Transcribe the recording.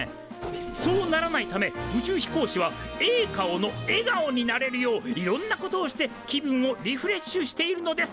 そうならないため宇宙飛行士はええ顔の笑顔になれるよういろんなことをして気分をリフレッシュしているのです！